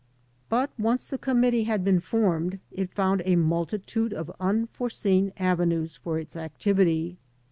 But once the committee had been formed it found a multi tude of unforeseen avenues for its activity.